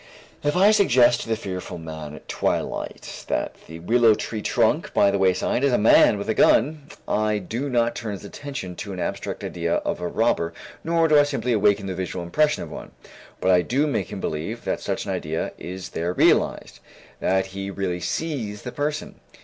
If I suggest to the fearful man at twilight that the willow tree trunk by the wayside is a man with a gun, I do not turn his attention to an abstract idea of a robber nor do I simply awaken the visual impression of one, but I make him believe that such an idea is there realized, that he really sees the person.